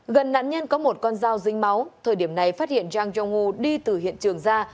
gần nạn nhân có một con dao rinh máu thời điểm này phát hiện zhang zhonggu đi từ hiện trường ra